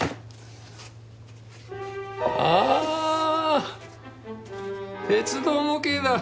あ鉄道模型だ。